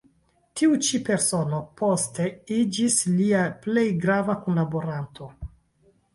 Tiu ĉi persono poste iĝis lia plej grava kunlaboranto.